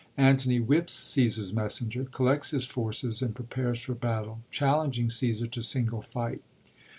Antony whips Caesar's messenger, collects his forces, and pre pares for battle, challenging Caesar to single fight.